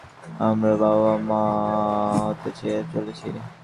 আমরা মা-বাবা হতে চলেছি।